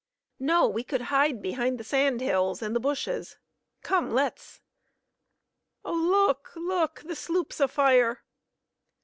"No. We could hide behind the sand hills and the bushes. Come, let's " "Oh, look! look! The sloop's afire!"